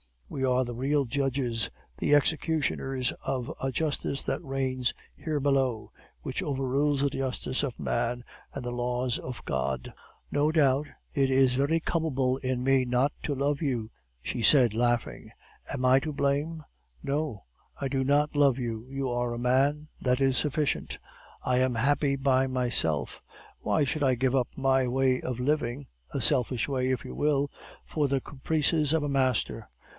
We are the real judges, the executioners of a justice that reigns here below, which overrules the justice of man and the laws of God.' "'No doubt it is very culpable in me not to love you,' she said, laughing. 'Am I to blame? No. I do not love you; you are a man, that is sufficient. I am happy by myself; why should I give up my way of living, a selfish way, if you will, for the caprices of a master?